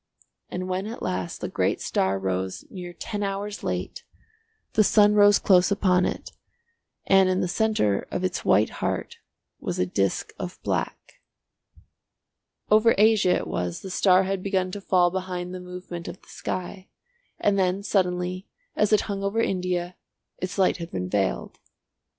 And when at last the great star rose near ten hours late, the sun rose close upon it, and in the centre of its white heart was a disc of black. Over Asia it was the star had begun to fall behind the movement of the sky, and then suddenly, as it hung over India, its light had been veiled.